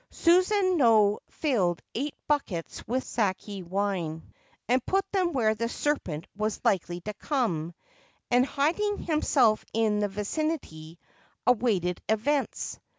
Susanoo filled eight buckets with sake wine, and put them where the serpent Was likely to come, and, hiding himself in the vicinity, awaited events.